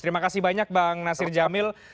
terima kasih banyak bang nasir jamil